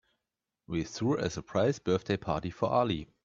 We threw a surprise birthday party for Ali.